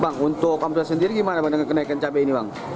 bang untuk amda sendiri gimana bang dengan kenaikan cabai ini bang